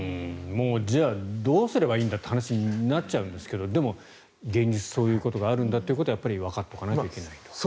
じゃあどうすればいいんだって話になっちゃうんですけどでも、現実そういうことがあるんだってやっぱりわかっておかないといけないと。